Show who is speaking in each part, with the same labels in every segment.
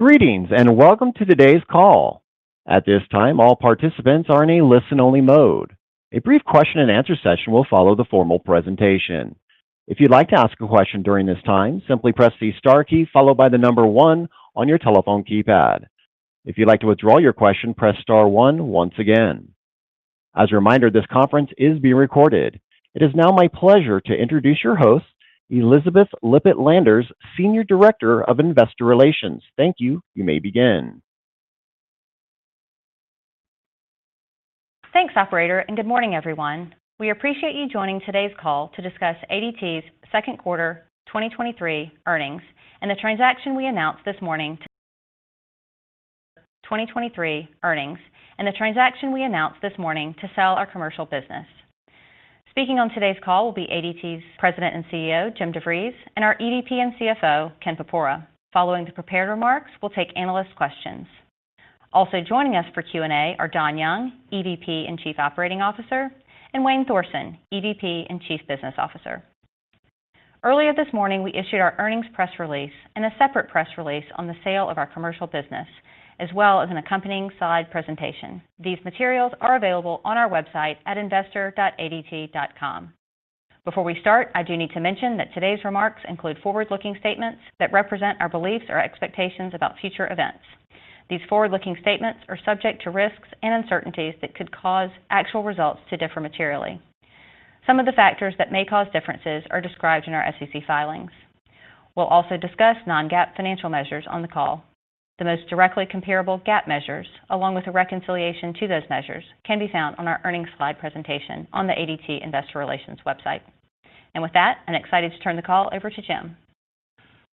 Speaker 1: Greetings, welcome to today's call. At this time, all participants are in a listen-only mode. A brief question-and-answer session will follow the formal presentation. If you'd like to ask a question during this time, simply press the star key followed by one on your telephone keypad. If you'd like to withdraw your question, press star one once again. As a reminder, this conference is being recorded. It is now my pleasure to introduce your host, Elizabeth Lippitt Landers, Senior Director of Investor Relations. Thank you. You may begin.
Speaker 2: Thanks, operator. Good morning, everyone. We appreciate you joining today's call to discuss ADT's second quarter 2023 earnings and the transaction we announced this morning to sell our commercial business. Speaking on today's call will be ADT's President and CEO, Jim DeVries, and our EVP and CFO, Ken Porpora. Following the prepared remarks, we'll take analyst questions. Also joining us for Q&A are Don Young, EVP and Chief Operating Officer, and Wayne Thorsen, EVP and Chief Business Officer. Earlier this morning, we issued our earnings press release and a separate press release on the sale of our commercial business, as well as an accompanying slide presentation. These materials are available on our website at investor.ADT.com. Before we start, I do need to mention that today's remarks include forward-looking statements that represent our beliefs or expectations about future events. These forward-looking statements are subject to risks and uncertainties that could cause actual results to differ materially. Some of the factors that may cause differences are described in our SEC filings. We'll also discuss non-GAAP financial measures on the call. The most directly comparable GAAP measures, along with a reconciliation to those measures, can be found on our earnings slide presentation on the ADT Investor Relations website. With that, I'm excited to turn the call over to Jim.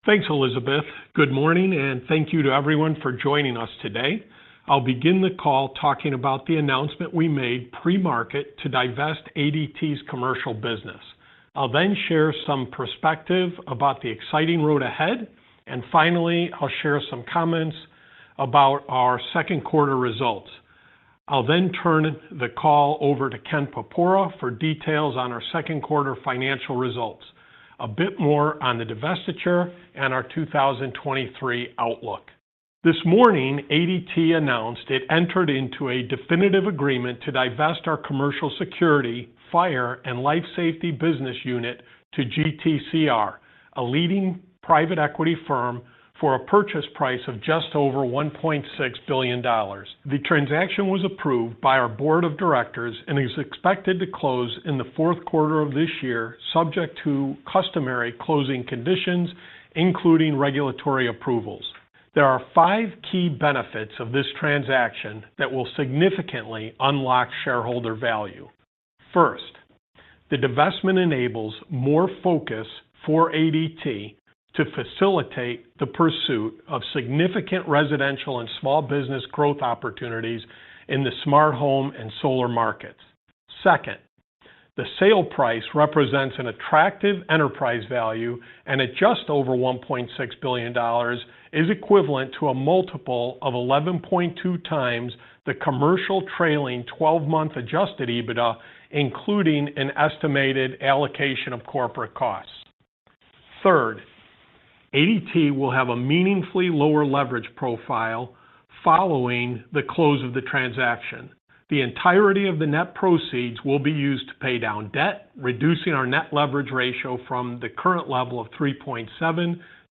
Speaker 3: Thanks, Elizabeth. Good morning, thank you to everyone for joining us today. I'll begin the call talking about the announcement we made pre-market to divest ADT's commercial business. I'll then share some perspective about the exciting road ahead, and finally, I'll share some comments about our second quarter results. I'll then turn the call over to Ken Porpora for details on our second quarter financial results, a bit more on the divestiture and our 2023 outlook. This morning, ADT announced it entered into a definitive agreement to divest our commercial security, fire, and life safety business unit to GTCR, a leading private equity firm, for a purchase price of just over $1.6 billion. The transaction was approved by our board of directors and is expected to close in the fourth quarter of this year, subject to customary closing conditions, including regulatory approvals. There are 5 key benefits of this transaction that will significantly unlock shareholder value. First, the divestment enables more focus for ADT to facilitate the pursuit of significant residential and small business growth opportunities in the smart home and solar markets. Second, the sale price represents an attractive enterprise value, and at just over $1.6 billion, is equivalent to a multiple of 11.2x the commercial Adjusted EBITDA, including an estimated allocation of corporate costs. Third, ADT will have a meaningfully lower leverage profile following the close of the transaction. The entirety of the net proceeds will be used to pay down debt, reducing our net leverage ratio from the current level of 3.7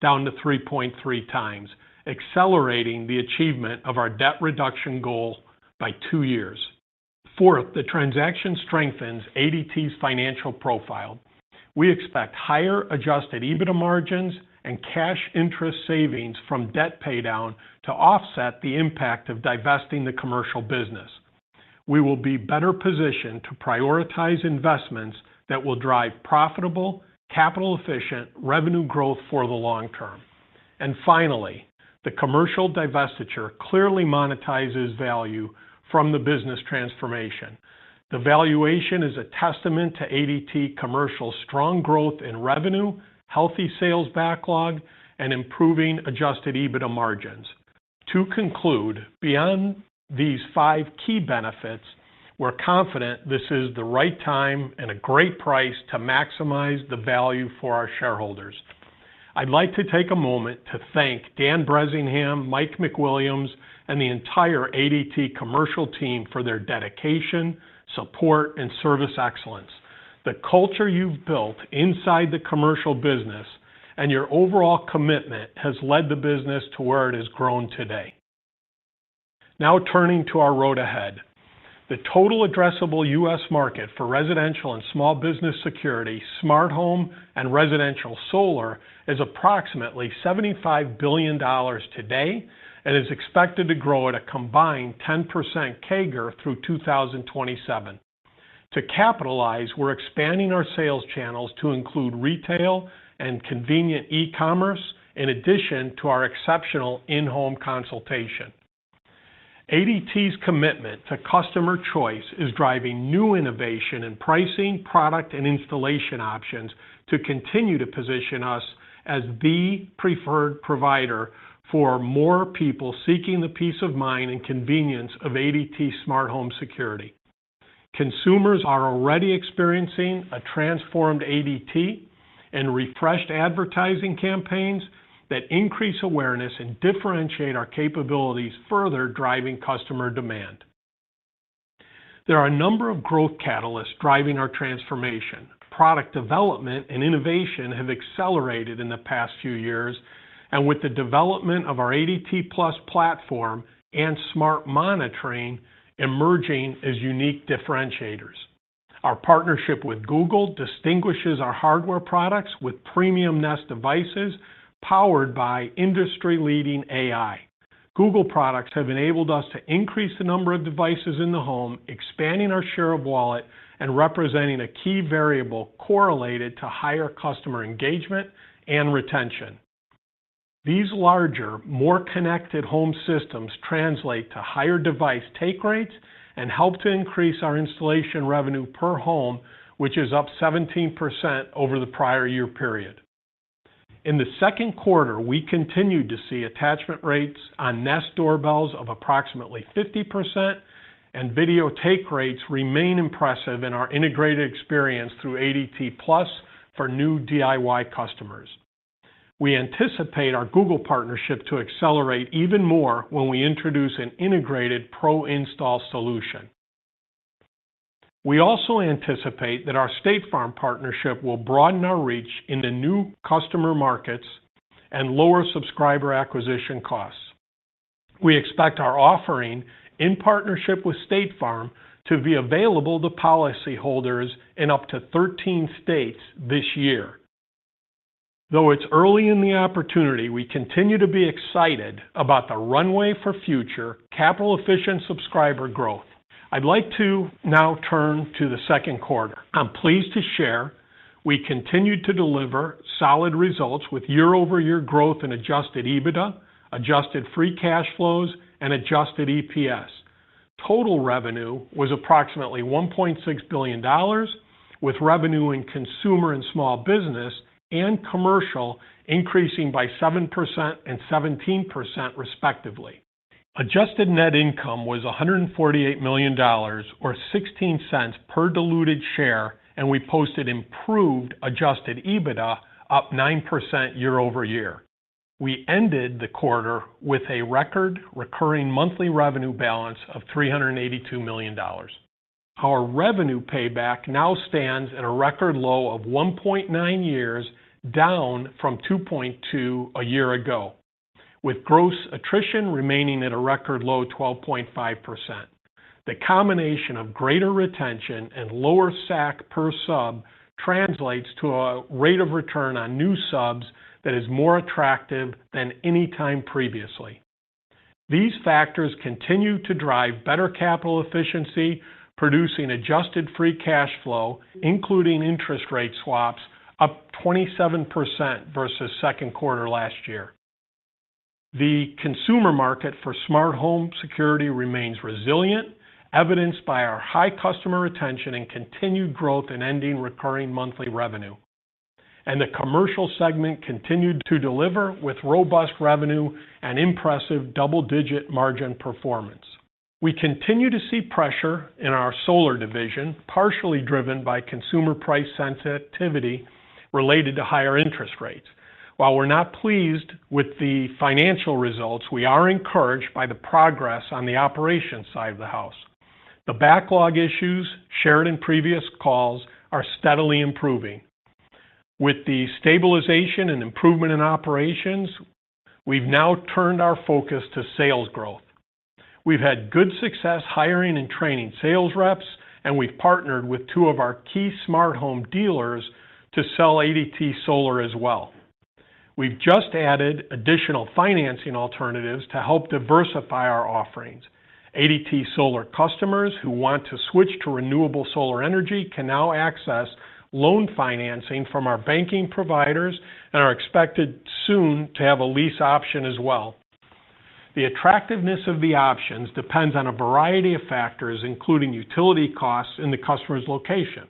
Speaker 3: down to 3.3x, accelerating the achievement of our debt reduction goal by 2 years. Fourth, the transaction strengthens ADT's financial profile. We Adjusted EBITDA margins and cash interest savings from debt paydown to offset the impact of divesting the commercial business. We will be better positioned to prioritize investments that will drive profitable, capital-efficient revenue growth for the long term. Finally, the commercial divestiture clearly monetizes value from the business transformation. The valuation is a testament to ADT Commercial's strong growth in revenue, healthy sales backlog, Adjusted EBITDA margins. to conclude, beyond these five key benefits, we're confident this is the right time and a great price to maximize the value for our shareholders. I'd like to take a moment to thank Dan Bresingham, Mike McWilliams, and the entire ADT Commercial team for their dedication, support, and service excellence. The culture you've built inside the commercial business and your overall commitment has led the business to where it has grown today. Now, turning to our road ahead. The total addressable U.S. market for residential and small business security, smart home, and residential solar is approximately $75 billion today and is expected to grow at a combined 10% CAGR through 2027. To capitalize, we're expanding our sales channels to include retail and convenient e-commerce, in addition to our exceptional in-home consultation. ADT's commitment to customer choice is driving new innovation in pricing, product, and installation options to continue to position us as the preferred provider for more people seeking the peace of mind and convenience of ADT smart home security. Consumers are already experiencing a transformed ADT and refreshed advertising campaigns that increase awareness and differentiate our capabilities, further driving customer demand. There are a number of growth catalysts driving our transformation. Product development and innovation have accelerated in the past few years, and with the development of our ADT+ platform and smart monitoring emerging as unique differentiators. Our partnership with Google distinguishes our hardware products with premium Nest devices, powered by industry-leading AI. Google products have enabled us to increase the number of devices in the home, expanding our share of wallet and representing a key variable correlated to higher customer engagement and retention. These larger, more connected home systems translate to higher device take rates and help to increase our installation revenue per home, which is up 17% over the prior year period. In the second quarter, we continued to see attachment rates on Nest doorbells of approximately 50%, and video take rates remain impressive in our integrated experience through ADT+ for new DIY customers. We anticipate our Google partnership to accelerate even more when we introduce an integrated Pro Install solution. We also anticipate that our State Farm partnership will broaden our reach into new customer markets and lower subscriber acquisition costs. We expect our offering in partnership with State Farm to be available to policyholders in up to 13 states this year. Though it's early in the opportunity, we continue to be excited about the runway for future capital-efficient subscriber growth. I'd like to now turn to the second quarter. I'm pleased to share we continued to deliver solid results with year-over-year Adjusted EBITDA, adjusted free cash flows, and adjusted EPS. Total revenue was approximately $1.6 billion, with revenue in consumer and small business and commercial increasing by 7% and 17%, respectively. Adjusted net income was $148 million, or $0.16 per diluted share. We Adjusted EBITDA, up 9% year-over-year. We ended the quarter with a record recurring monthly revenue balance of $382 million. Our revenue payback now stands at a record low of 1.9 years, down from 2.2 a year ago, with gross attrition remaining at a record low 12.5%. The combination of greater retention and lower SAC per sub translates to a rate of return on new subs that is more attractive than any time previously. These factors continue to drive better capital efficiency, producing adjusted free cash flow, including interest rate swaps, up 27% versus second quarter last year. The consumer market for smart home security remains resilient, evidenced by our high customer retention and continued growth in ending recurring monthly revenue. The commercial segment continued to deliver with robust revenue and impressive double-digit margin performance. We continue to see pressure in our Solar Division, partially driven by consumer price sensitivity related to higher interest rates. While we're not pleased with the financial results, we are encouraged by the progress on the operations side of the house. The backlog issues shared in previous calls are steadily improving. With the stabilization and improvement in operations, we've now turned our focus to sales growth. We've had good success hiring and training sales reps, and we've partnered with two of our key smart home dealers to sell ADT Solar as well. We've just added additional financing alternatives to help diversify our offerings. ADT Solar customers who want to switch to renewable solar energy can now access loan financing from our banking providers and are expected soon to have a lease option as well. The attractiveness of the options depends on a variety of factors, including utility costs in the customer's location.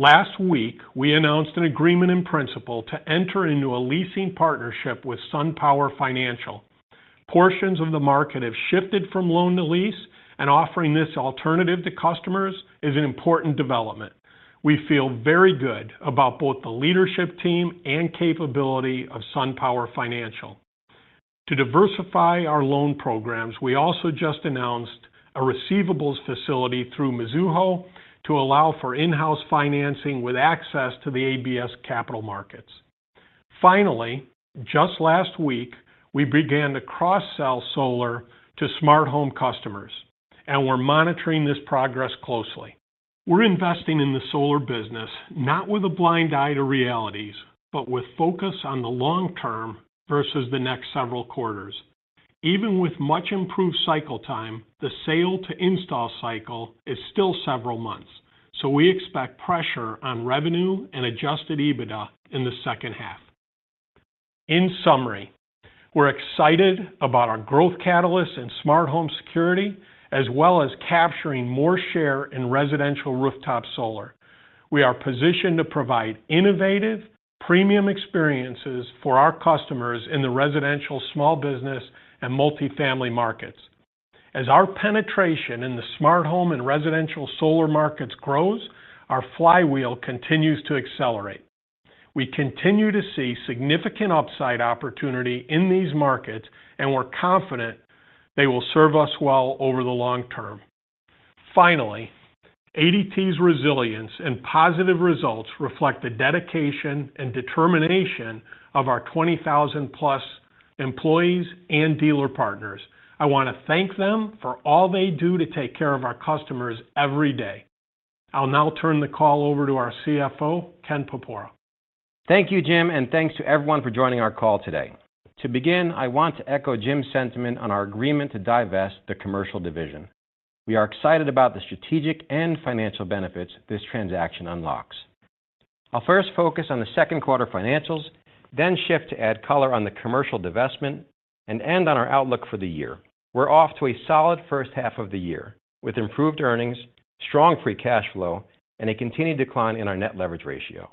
Speaker 3: Last week, we announced an agreement in principle to enter into a leasing partnership with SunPower Financial. Portions of the market have shifted from loan to lease, and offering this alternative to customers is an important development. We feel very good about both the leadership team and capability of SunPower Financial. To diversify our loan programs, we also just announced a receivables facility through Mizuho to allow for in-house financing with access to the ABS capital markets. Finally, just last week, we began to cross-sell solar to smart home customers, and we're monitoring this progress closely. We're investing in the solar business, not with a blind eye to realities, but with focus on the long term versus the next several quarters. Even with much improved cycle time, the sale to install cycle is still several months, so we expect pressure on Adjusted EBITDA in the second half. In summary, we're excited about our growth catalysts in smart home security, as well as capturing more share in residential rooftop solar. We are positioned to provide innovative,... premium experiences for our customers in the residential, small business, and multifamily markets. As our penetration in the smart home and residential solar markets grows, our flywheel continues to accelerate. We continue to see significant upside opportunity in these markets, and we're confident they will serve us well over the long term. Finally, ADT's resilience and positive results reflect the dedication and determination of our 20,000+ employees and dealer partners. I want to thank them for all they do to take care of our customers every day. I'll now turn the call over to our CFO, Ken Porpora.
Speaker 4: Thank you, Jim. Thanks to everyone for joining our call today. To begin, I want to echo Jim's sentiment on our agreement to divest the commercial division. We are excited about the strategic and financial benefits this transaction unlocks. I'll first focus on the second quarter financials, then shift to add color on the commercial divestment and end on our outlook for the year. We're off to a solid first half of the year, with improved earnings, strong free cash flow, and a continued decline in our net leverage ratio,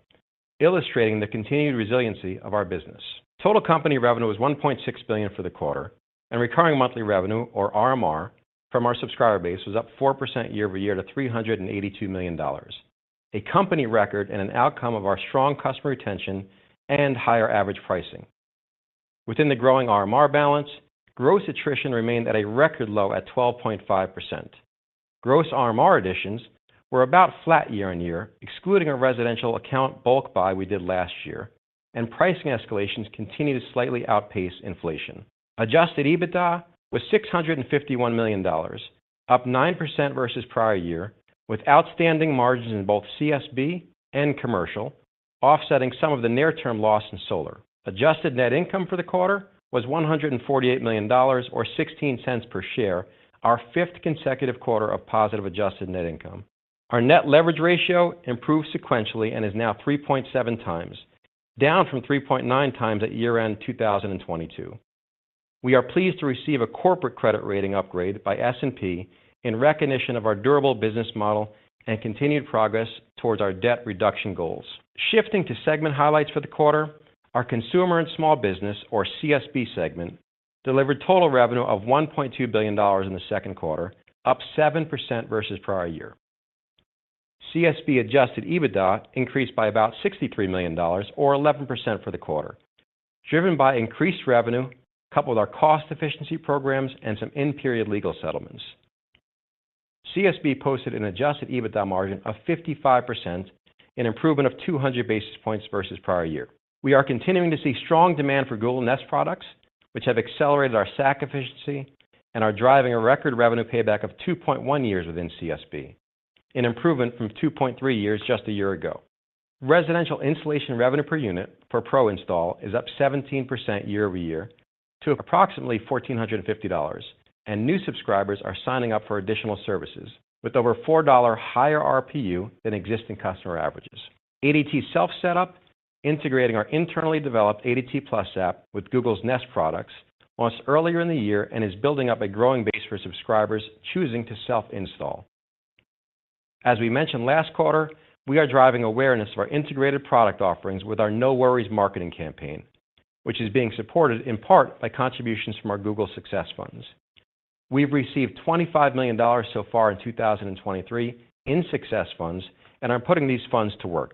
Speaker 4: illustrating the continued resiliency of our business. Total company revenue was $1.6 billion for the quarter. Recurring monthly revenue, or RMR, from our subscriber base, was up 4% year-over-year to $382 million. A company record and an outcome of our strong customer retention and higher average pricing. Within the growing RMR balance, gross attrition remained at a record low at 12.5%. Gross RMR additions were about flat year-on-year, excluding a residential account bulk buy we did last year. Pricing escalations continued to slightly Adjusted EBITDA was $651 million, up 9% versus prior year, with outstanding margins in both CSB and commercial, offsetting some of the near-term loss in solar. Adjusted net income for the quarter was $148 million or $0.16 per share, our fifth consecutive quarter of positive adjusted net income. Our net leverage ratio improved sequentially and is now 3.7 times, down from 3.9 times at year-end 2022. We are pleased to receive a corporate credit rating upgrade by S&P in recognition of our durable business model and continued progress towards our debt reduction goals. Shifting to segment highlights for the quarter, our Consumer and Small Business or CSB segment, delivered total revenue of $1.2 billion in the second quarter, up 7% versus prior Adjusted EBITDA increased by about $63 million or 11% for the quarter, driven by increased revenue, coupled with our cost efficiency programs and some in-period legal settlements. CSB Adjusted EBITDA margin of 55%, an improvement of 200 basis points versus prior year. We are continuing to see strong demand for Google Nest products, which have accelerated our SAC efficiency and are driving a record revenue payback of 2.1 years within CSB, an improvement from 2.3 years just a year ago. Residential installation revenue per unit for Pro Install is up 17% year-over-year to approximately $1,450. New subscribers are signing up for additional services with over $4 higher RPU than existing customer averages. ADT Self Setup, integrating our internally developed ADT+ app with Google's Nest products, launched earlier in the year and is building up a growing base for subscribers choosing to self-install. As we mentioned last quarter, we are driving awareness of our integrated product offerings with our No Worries marketing campaign, which is being supported in part by contributions from our Google Success Funds. We've received $25 million so far in 2023 in success funds and are putting these funds to work.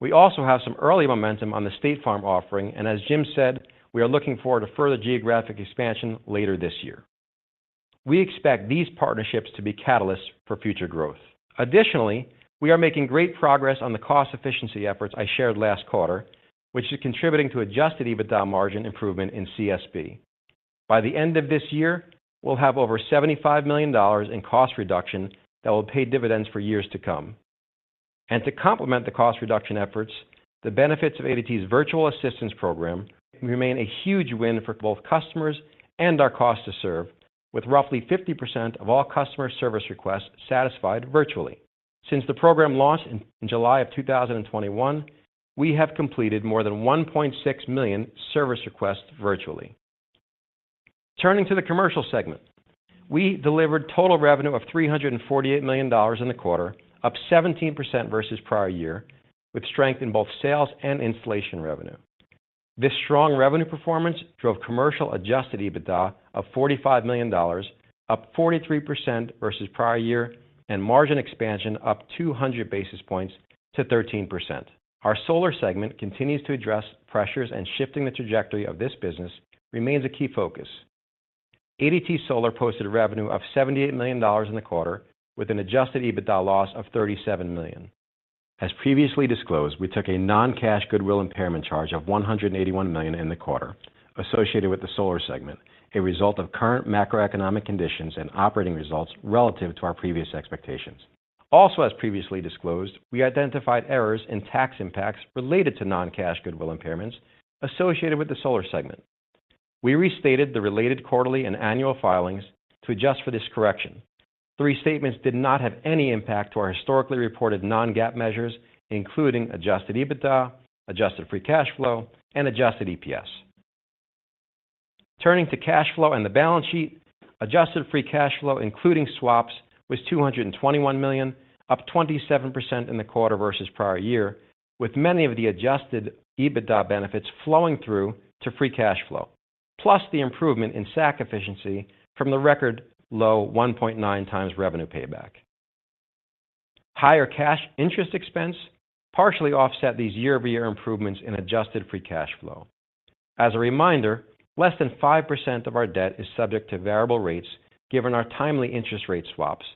Speaker 4: We also have some early momentum on the State Farm offering, and as Jim said, we are looking forward to further geographic expansion later this year. We expect these partnerships to be catalysts for future growth. Additionally, we are making great progress on the cost efficiency efforts I shared last quarter, which is Adjusted EBITDA margin improvement in CSB. By the end of this year, we'll have over $75 million in cost reduction that will pay dividends for years to come. To complement the cost reduction efforts, the benefits of ADT's Virtual Assistance program remain a huge win for both customers and our cost to serve, with roughly 50% of all customer service requests satisfied virtually. Since the program launched in July of 2021, we have completed more than 1.6 million service requests virtually. Turning to the commercial segment, we delivered total revenue of $348 million in the quarter, up 17% versus prior year, with strength in both sales and installation revenue. This strong revenue performance Adjusted EBITDA of $45 million, up 43% versus prior year, and margin expansion up 200 basis points to 13%. Our solar segment continues to address pressures, and shifting the trajectory of this business remains a key focus. ADT Solar posted revenue of $78 million in the quarter, Adjusted EBITDA loss of $37 million. As previously disclosed, we took a non-cash goodwill impairment charge of $181 million in the quarter associated with the solar segment, a result of current macroeconomic conditions and operating results relative to our previous expectations. Also, as previously disclosed, we identified errors in tax impacts related to non-cash goodwill impairments associated with the solar segment. We restated the related quarterly and annual filings to adjust for this correction. The restatements did not have any impact to our historically reported non-GAAP Adjusted EBITDA, adjusted free cash flow, and Adjusted EPS. Turning to cash flow and the balance sheet, Adjusted free cash flow, including swaps, was $221 million, up 27% in the quarter versus prior year, with many Adjusted EBITDA benefits flowing through to free cash flow, plus the improvement in SAC efficiency from the record low 1.9x revenue payback. Higher cash interest expense partially offset these year-over-year improvements in adjusted free cash flow. As a reminder, less than 5% of our debt is subject to variable rates, given our timely interest rate swaps,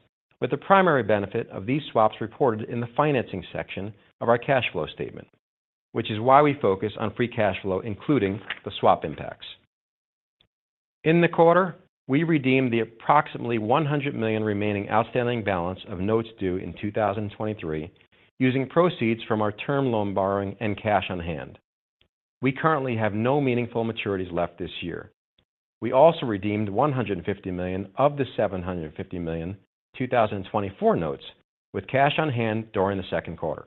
Speaker 4: with the primary benefit of these swaps reported in the financing section of our cash flow statement, which is why we focus on free cash flow, including the swap impacts. In the quarter, we redeemed the approximately $100 million remaining outstanding balance of notes due in 2023, using proceeds from our term loan borrowing and cash on hand. We currently have no meaningful maturities left this year. We also redeemed $150 million of the $750 million 2024 notes with cash on hand during the second quarter.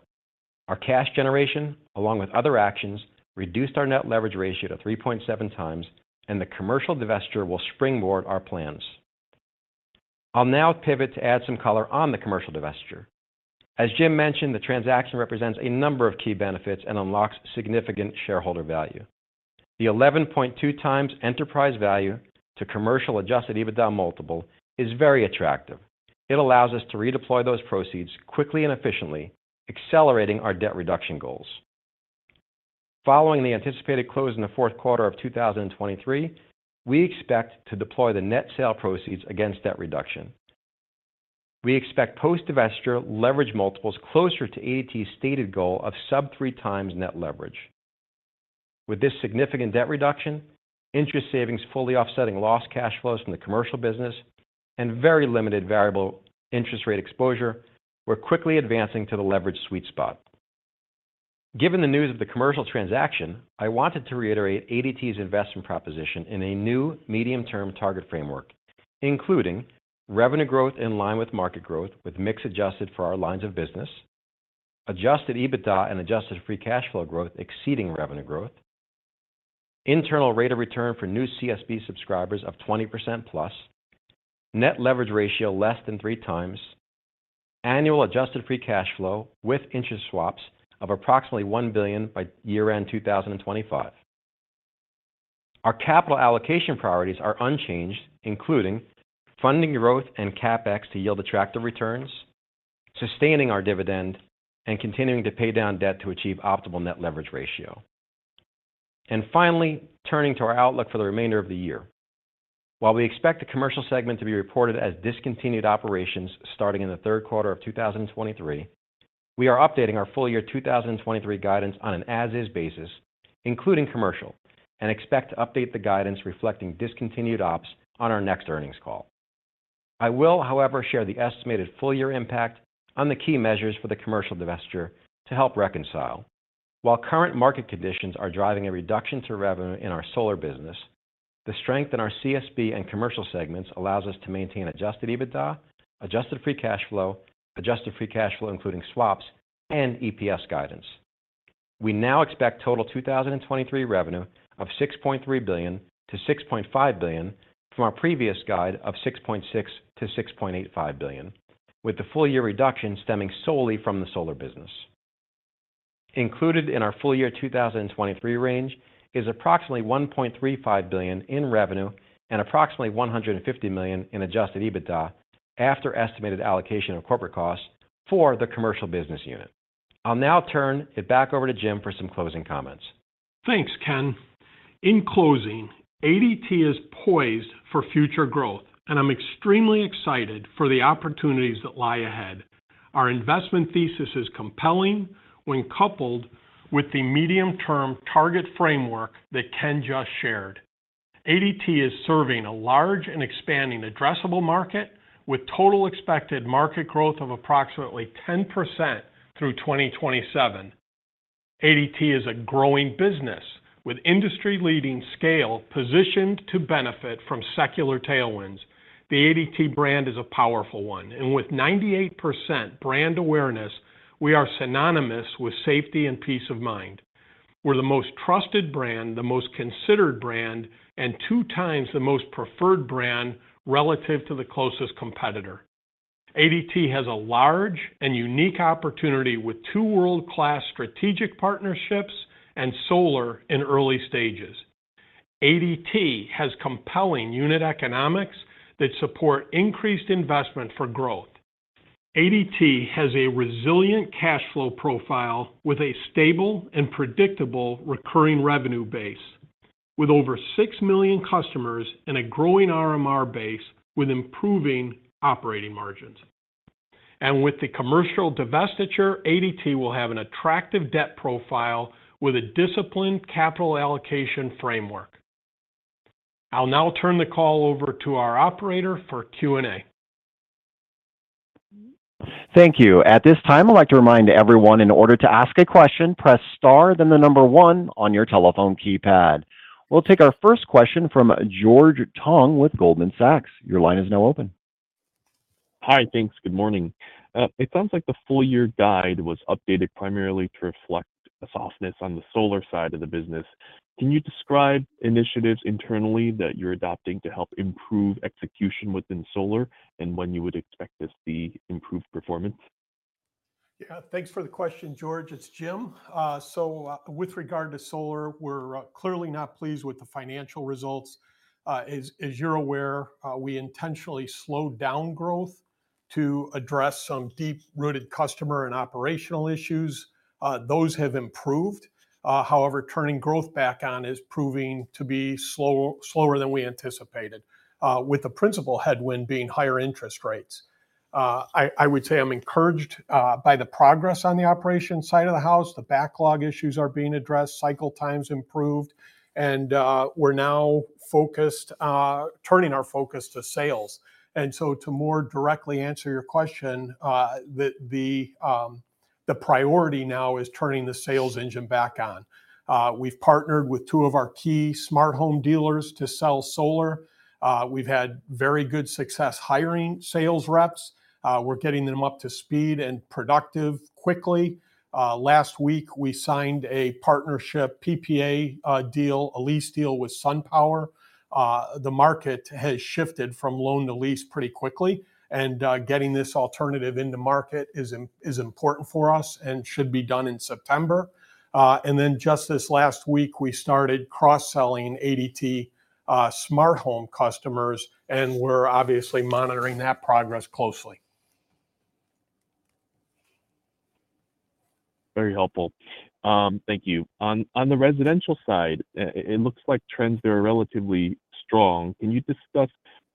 Speaker 4: Our cash generation, along with other actions, reduced our net leverage ratio to 3.7 times, and the commercial divestiture will springboard our plans. I'll now pivot to add some color on the commercial divestiture. As Jim mentioned, the transaction represents a number of key benefits and unlocks significant shareholder value. The 11.2x enterprise value Adjusted EBITDA multiple is very attractive. It allows us to redeploy those proceeds quickly and efficiently, accelerating our debt reduction goals. Following the anticipated close in the fourth quarter of 2023, we expect to deploy the net sale proceeds against debt reduction. We expect post-divestiture leverage multiples closer to ADT's stated goal of sub 3x net leverage. With this significant debt reduction, interest savings fully offsetting lost cash flows from the commercial business, and very limited variable interest rate exposure, we're quickly advancing to the leverage sweet spot. Given the news of the commercial transaction, I wanted to reiterate ADT's investment proposition in a new medium-term target framework, including revenue growth in line with market growth, with mix adjusted for our lines Adjusted EBITDA and adjusted free cash flow growth exceeding revenue growth, internal rate of return for new CSB subscribers of 20%+, net leverage ratio less than 3x, annual adjusted free cash flow with interest swaps of approximately $1 billion by year-end 2025. Our capital allocation priorities are unchanged, including funding growth and CapEx to yield attractive returns, sustaining our dividend, and continuing to pay down debt to achieve optimal net leverage ratio. Finally, turning to our outlook for the remainder of the year. While we expect the Commercial segment to be reported as discontinued operations starting in the third quarter of 2023, we are updating our full year 2023 guidance on an as-is basis, including Commercial, and expect to update the guidance reflecting discontinued ops on our next earnings call. I will, however, share the estimated full year impact on the key measures for the Commercial divestiture to help reconcile. While current market conditions are driving a reduction to revenue in our ADT Solar, the strength in our CSB and Commercial segments allows us Adjusted EBITDA, adjusted free cash flow, adjusted free cash flow, including swaps and EPS guidance. We now expect total 2023 revenue of $6.3 billion-$6.5 billion from our previous guide of $6.6 billion-$6.85 billion, with the full year reduction stemming solely from the solar business. Included in our full year 2023 range is approximately $1.35 billion in revenue and approximately $150 Adjusted EBITDA after estimated allocation of corporate costs for the commercial business unit. I'll now turn it back over to Jim for some closing comments.
Speaker 3: Thanks, Ken. In closing, ADT is poised for future growth, and I'm extremely excited for the opportunities that lie ahead. Our investment thesis is compelling when coupled with the medium-term target framework that Ken just shared. ADT is serving a large and expanding addressable market with total expected market growth of approximately 10% through 2027. ADT is a growing business with industry-leading scale, positioned to benefit from secular tailwinds. The ADT brand is a powerful one, and with 98% brand awareness, we are synonymous with safety and peace of mind. We're the most trusted brand, the most considered brand, and 2 times the most preferred brand relative to the closest competitor. ADT has a large and unique opportunity with 2 world-class strategic partnerships and solar in early stages. ADT has compelling unit economics that support increased investment for growth. ADT has a resilient cash flow profile with a stable and predictable recurring revenue base, with over 6 million customers and a growing RMR base with improving operating margins. With the commercial divestiture, ADT will have an attractive debt profile with a disciplined capital allocation framework. I'll now turn the call over to our operator for Q&A.
Speaker 1: Thank you. At this time, I'd like to remind everyone, in order to ask a question, press star, then the number one on your telephone keypad. We'll take our first question from George Tong with Goldman Sachs. Your line is now open....
Speaker 5: Hi, thanks. Good morning. It sounds like the full year guide was updated primarily to reflect a softness on the solar side of the business. Can you describe initiatives internally that you're adopting to help improve execution within solar, and when you would expect to see improved performance?
Speaker 3: Yeah, thanks for the question, George. It's Jim. With regard to solar, we're clearly not pleased with the financial results. As, as you're aware, we intentionally slowed down growth to address some deep-rooted customer and operational issues. Those have improved. However, turning growth back on is proving to be slower, slower than we anticipated, with the principal headwind being higher interest rates. I, I would say I'm encouraged by the progress on the operations side of the house. The backlog issues are being addressed, cycle times improved, and we're now focused, turning our focus to sales. To more directly answer your question, the, the, the priority now is turning the sales engine back on. We've partnered with two of our key smart home dealers to sell solar. We've had very good success hiring sales reps. We're getting them up to speed and productive quickly. Last week, we signed a partnership PPA deal, a lease deal with SunPower. The market has shifted from loan to lease pretty quickly, and getting this alternative into market is important for us and should be done in September. Then just this last week, we started cross-selling ADT smart home customers, and we're obviously monitoring that progress closely.
Speaker 5: Very helpful. Thank you. On, on the residential side, it looks like trends there are relatively strong. Can you discuss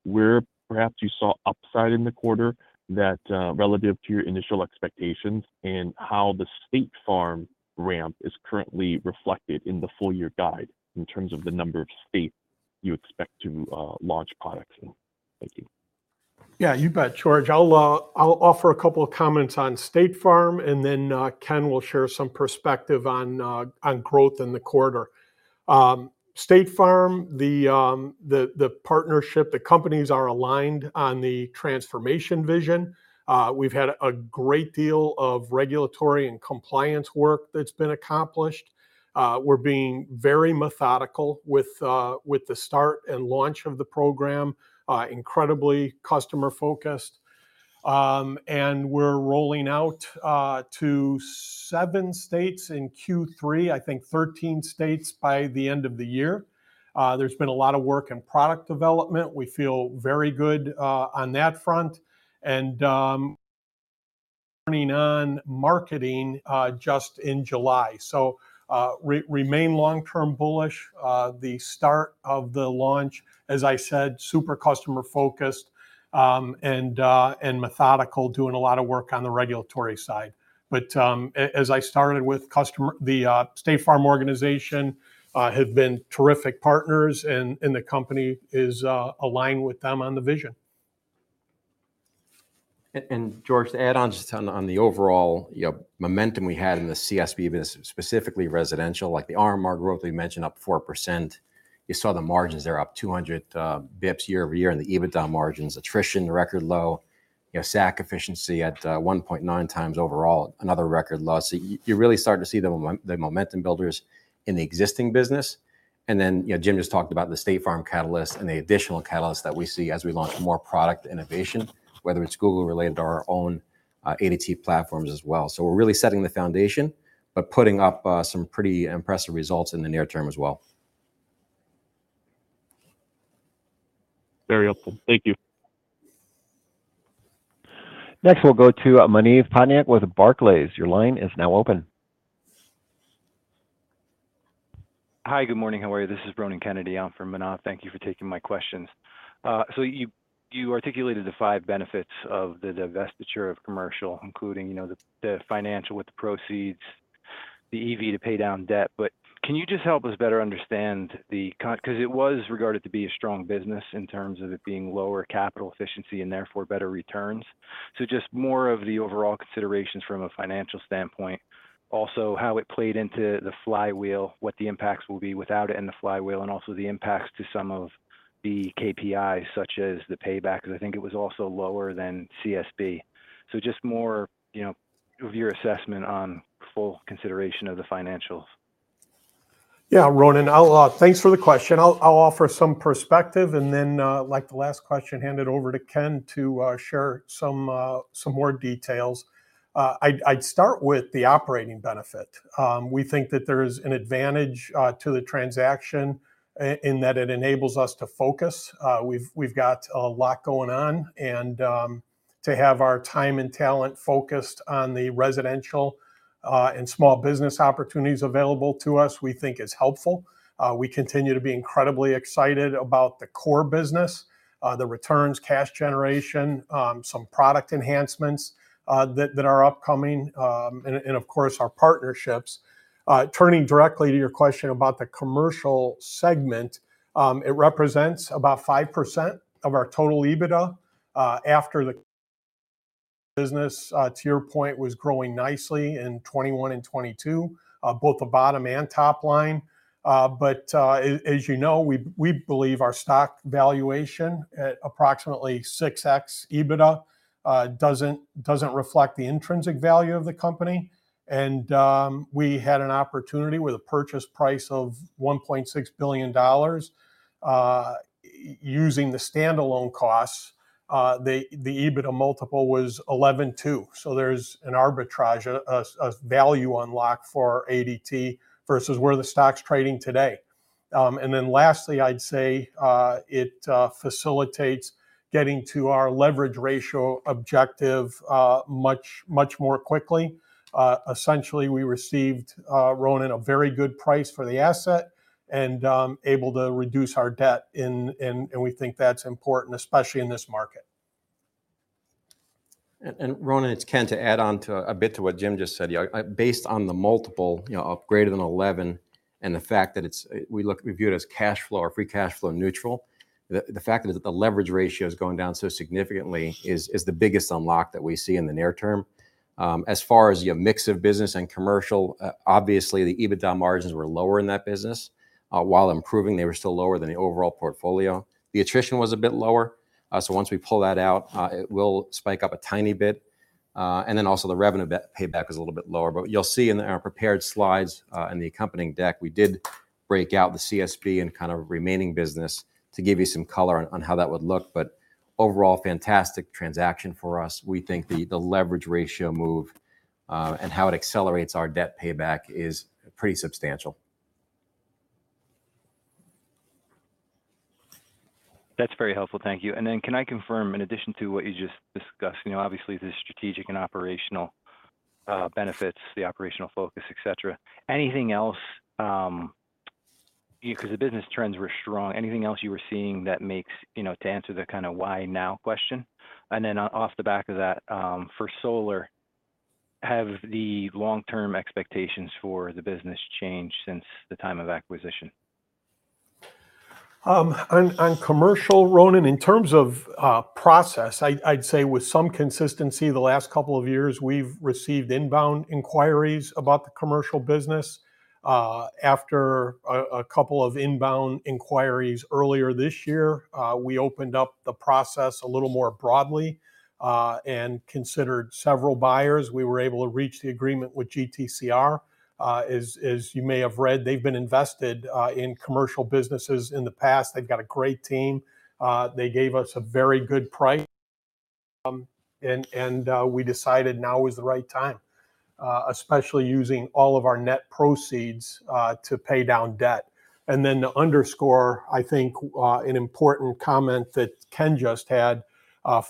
Speaker 5: where perhaps you saw upside in the quarter that, relative to your initial expectations, and how the State Farm ramp is currently reflected in the full-year guide in terms of the number of states you expect to launch products in? Thank you.
Speaker 3: Yeah, you bet, George. I'll, I'll offer a couple of comments on State Farm, and then, Ken will share some perspective on, on growth in the quarter. State Farm, the, the, the partnership, the companies are aligned on the transformation vision. We've had a great deal of regulatory and compliance work that's been accomplished. We're being very methodical with, with the start and launch of the program, incredibly customer-focused. We're rolling out, to seven states in Q3, I think 13 states by the end of the year. There's been a lot of work in product development. We feel very good, on that front, and, turning on marketing, just in July. Remain long-term bullish. The start of the launch, as I said, super customer-focused, and methodical, doing a lot of work on the regulatory side. As I started with customer... The State Farm organization have been terrific partners, and the company is aligned with them on the vision.
Speaker 4: George, to add on just on the overall, you know, momentum we had in the CSB, specifically residential, like the RMR growth we mentioned, up 4%. You saw the margins there, up 200 bips year-over-year, and the EBITDA margins, attrition, record low. You know, SAC efficiency at 1.9x overall, another record low. You're really starting to see the momentum builders in the existing business. Then, you know, Jim just talked about the State Farm catalyst and the additional catalyst that we see as we launch more product innovation, whether it's Google-related or our own ADT platforms as well. We're really setting the foundation, but putting up some pretty impressive results in the near term as well.
Speaker 5: Very helpful. Thank you.
Speaker 1: Next, we'll go to Manav Patnaik with Barclays. Your line is now open.
Speaker 6: Hi, good morning. How are you? This is Ronan Kennedy. I'm from Manav. Thank you for taking my questions. You, you articulated the 5 benefits of the divestiture of commercial, including, you know, the, the financial with the proceeds, the EV to pay down debt. Can you just help us better understand the co- 'cause it was regarded to be a strong business in terms of it being lower capital efficiency and therefore better returns. Just more of the overall considerations from a financial standpoint. Also, how it played into the flywheel, what the impacts will be without it in the flywheel, and also the impacts to some of the KPIs, such as the payback, 'cause I think it was also lower than CSB. Just more, you know, of your assessment on full consideration of the financials.
Speaker 3: Yeah, Ronan, I'll. Thanks for the question. I'll, I'll offer some perspective, and then, like the last question, hand it over to Ken to share some more details. I'd, I'd start with the operating benefit. We think that there's an advantage to the transaction in that it enables us to focus. We've got a lot going on, and to have our time and talent focused on the residential and small business opportunities available to us, we think is helpful. We continue to be incredibly excited about the core business, the returns, cash generation, some product enhancements that are upcoming, and of course, our partnerships. Turning directly to your question about the commercial segment, it represents about 5% of our total EBITDA after the-... business, to your point, was growing nicely in 2021 and 2022, both the bottom and top line. As, as you know, we, we believe our stock valuation at approximately 6x EBITDA, doesn't, doesn't reflect the intrinsic value of the company. We had an opportunity with a purchase price of $1.6 billion. Using the standalone costs, the, the EBITDA multiple was 11.2. There's an arbitrage, a, a, a value unlock for ADT versus where the stock's trading today. Lastly, I'd say, it, facilitates getting to our leverage ratio objective, much, much more quickly. We received, Ronan, a very good price for the asset, and, able to reduce our debt in, and, and we think that's important, especially in this market.
Speaker 4: Ronan, it's Ken, to add on to a bit to what Jim just said. Yeah, based on the multiple, you know, greater than 11, and the fact that it's- we view it as cash flow or free cash flow neutral. The fact that the leverage ratio is going down so significantly is, is the biggest unlock that we see in the near term. As far as your mix of business and commercial, obviously, the EBITDA margins were lower in that business. While improving, they were still lower than the overall portfolio. The attrition was a bit lower, so once we pull that out, it will spike up a tiny bit. Then also the revenue debt payback is a little bit lower. You'll see in our prepared slides, in the accompanying deck, we did break out the CSB and kind of remaining business to give you some color on, on how that would look, but overall, fantastic transaction for us. We think the, the leverage ratio move, and how it accelerates our debt payback is pretty substantial.
Speaker 6: That's very helpful. Thank you. Can I confirm, in addition to what you just discussed, you know, obviously, the strategic and operational benefits, the operational focus, et cetera, anything else... 'cause the business trends were strong, anything else you were seeing that makes- you know, to answer the kinda why now question? O- off the back of that, for solar, have the long-term expectations for the business changed since the time of acquisition?
Speaker 3: On, on commercial, Ronan, in terms of process, I'd say with some consistency, the last couple of years, we've received inbound inquiries about the commercial business. After a couple of inbound inquiries earlier this year, we opened up the process a little more broadly, and considered several buyers. We were able to reach the agreement with GTCR. As you may have read, they've been invested in commercial businesses in the past. They've got a great team. They gave us a very good price, and we decided now is the right time, especially using all of our net proceeds, to pay down debt. Then to underscore, I think, an important comment that Ken just had,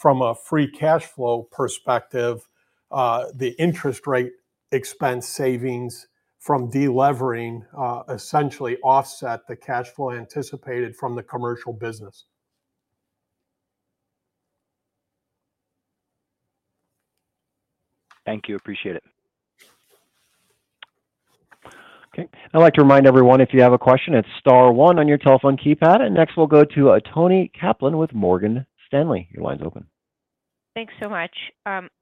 Speaker 3: from a free cash flow perspective, the interest rate expense savings from delevering, essentially offset the cash flow anticipated from the commercial business.
Speaker 6: Thank you. Appreciate it.
Speaker 1: Okay, I'd like to remind everyone, if you have a question, it's star one on your telephone keypad. And next, we'll go to, Toni Kaplan with Morgan Stanley. Your line's open.
Speaker 7: Thanks so much.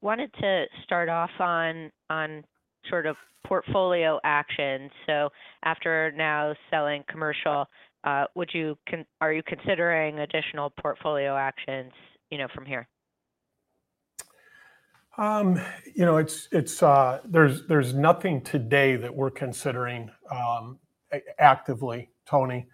Speaker 7: wanted to start off on, on sort of portfolio actions. after now selling commercial, would you are you considering additional portfolio actions, you know, from here?
Speaker 3: you know, it's, it's, there's, there's nothing today that we're considering actively, Toni.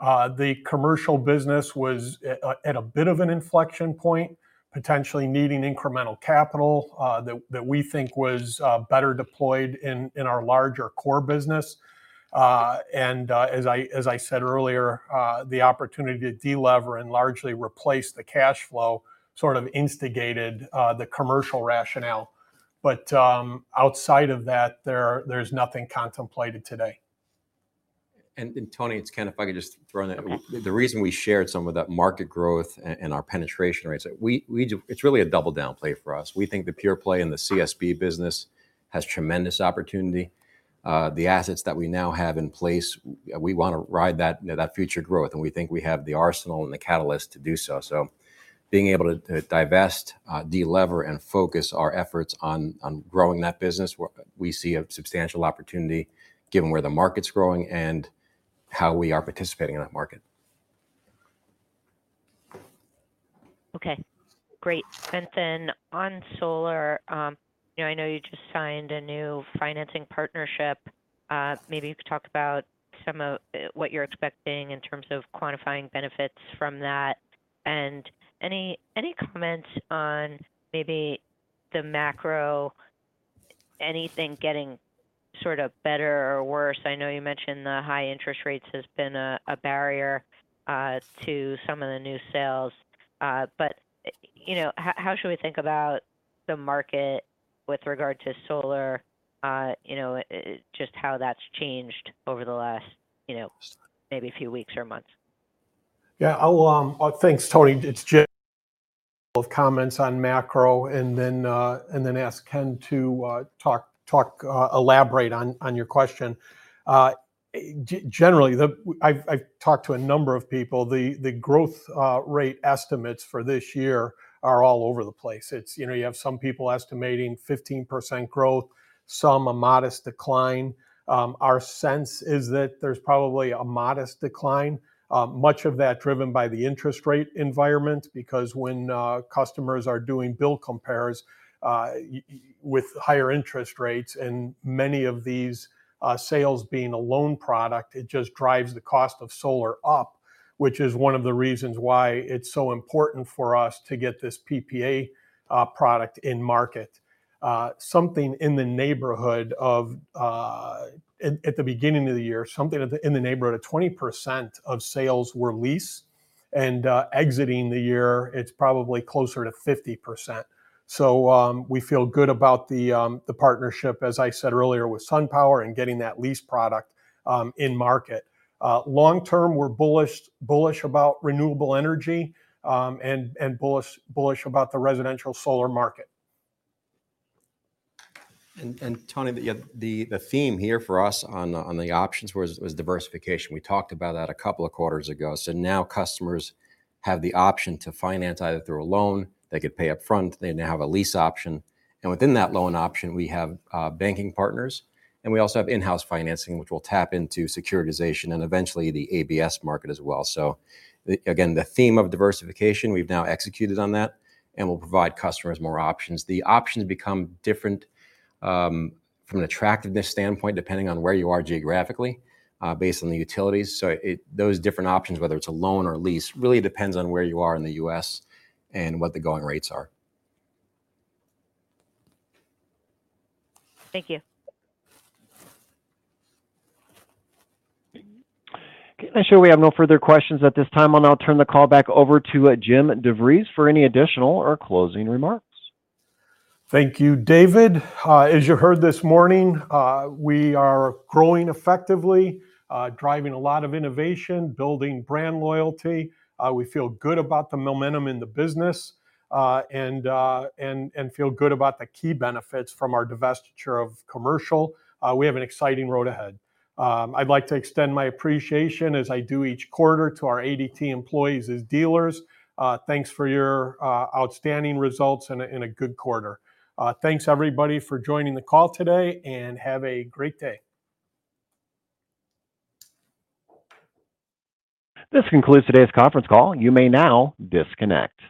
Speaker 3: The commercial business was at a, at a bit of an inflection point, potentially needing incremental capital, that, that we think was better deployed in, in our larger core business. As I, as I said earlier, the opportunity to delever and largely replace the cash flow, sort of instigated the commercial rationale. Outside of that, there, there's nothing contemplated today.
Speaker 4: Toni, it's Ken, if I could just throw in there. The reason we shared some of that market growth and our penetration rates, It's really a double down play for us. We think the pure play in the CSB business has tremendous opportunity. The assets that we now have in place, we wanna ride that, you know, that future growth, and we think we have the arsenal and the catalyst to do so. Being able to, to divest, delever, and focus our efforts on, on growing that business, we see a substantial opportunity given where the market's growing and how we are participating in that market.
Speaker 7: Okay, great. Then on solar, you know, I know you just signed a new financing partnership. Maybe you could talk about some of what you're expecting in terms of quantifying benefits from that. Any, any comments on maybe the macro, anything getting sort of better or worse? I know you mentioned the high interest rates has been a, a barrier to some of the new sales. You know, how, how should we think about the market with regard to solar? You know, just how that's changed over the last, you know, maybe a few weeks or months.
Speaker 3: Yeah, I'll, thanks, Toni. It's Jim. Both comments on macro and then, and then ask Ken to talk, talk, elaborate on your question. Generally, the-- I've, I've talked to a number of people. The growth rates estimates for this year are all over the place. It's, you know, you have some people estimating 15% growth, some a modest decline. Our sense is that there's probably a modest decline, much of that driven by the interest rate environment. Because when customers are doing bill compares with higher interest rates and many of these sales being a loan product, it just drives the cost of solar up, which is one of the reasons why it's so important for us to get this PPA product in market. Something in the neighborhood of... At, at the beginning of the year, something at the, in the neighborhood of 20% of sales were lease, and exiting the year, it's probably closer to 50%. We feel good about the partnership, as I said earlier, with SunPower and getting that lease product in market. Long term, we're bullish, bullish about renewable energy, and bullish, bullish about the residential solar market.
Speaker 4: Toni, the theme here for us on the options was diversification. We talked about that a couple of quarters ago. Now customers have the option to finance either through a loan, they could pay upfront, they now have a lease option, and within that loan option, we have banking partners, and we also have in-house financing, which will tap into securitization and eventually the ABS market as well. The, again, the theme of diversification, we've now executed on that, and we'll provide customers more options. The options become different from an attractiveness standpoint, depending on where you are geographically, based on the utilities. Those different options, whether it's a loan or a lease, really depends on where you are in the U.S. and what the going rates are.
Speaker 7: Thank you.
Speaker 1: Okay. I show we have no further questions at this time. I'll now turn the call back over to Jim DeVries for any additional or closing remarks.
Speaker 3: Thank you, David. As you heard this morning, we are growing effectively, driving a lot of innovation, building brand loyalty. We feel good about the momentum in the business, and, and, and feel good about the key benefits from our divestiture of commercial. We have an exciting road ahead. I'd like to extend my appreciation, as I do each quarter, to our ADT employees as dealers. Thanks for your outstanding results in a good quarter. Thanks everybody for joining the call today, and have a great day.
Speaker 1: This concludes today's conference call. You may now disconnect.